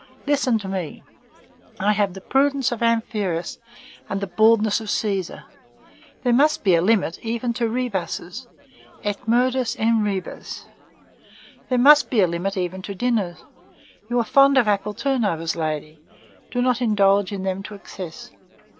Listen to me. I have the prudence of Amphiaraüs and the baldness of Cæsar. There must be a limit, even to rebuses. Est modus in rebus. "There must be a limit, even to dinners. You are fond of apple turnovers, ladies; do not indulge in them to excess.